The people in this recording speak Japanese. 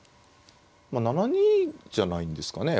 まあ７二じゃないんですかね